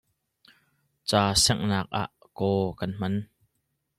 Ca sengh nak ah kaw kan hman.